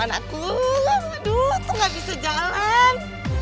waalaikumsalam anakku aduh tuh nggak bisa jalan